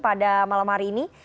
pada malam hari ini